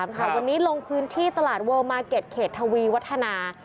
วันนี้ลงพื้นที่ตลาดเลิลมาร์เก็ตเขตทวีวัฒนา